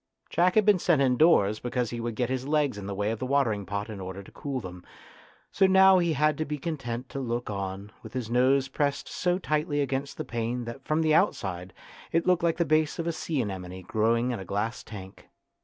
Jack had been sent indoors because he would get his legs in the way of the water ing pot in order to cool them, so now he had to be content to look on, with his nose pressed so tightly against the pane that from outside it looked like the base of a sea anemone growing in a glass tank.